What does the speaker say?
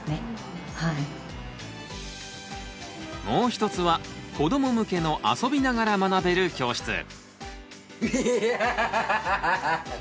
もう一つは子ども向けの遊びながら学べる教室。